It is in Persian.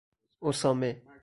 اُسامه